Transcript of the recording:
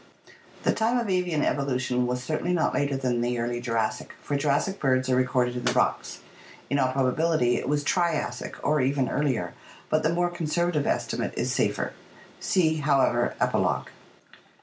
The time of avian evolution was certainly not later than the early Jurassic, for Jurassic birds are recorded in the rocks. In all probability it was Triassic or even earlier, but the more conser vative estimate is safer (see, however, Epilogue).